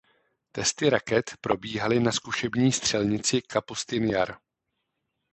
Testy raket probíhaly na zkušební střelnici Kapustin Jar.